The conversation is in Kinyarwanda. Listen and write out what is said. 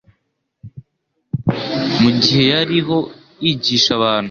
mu gihe yariho yigisha abantu.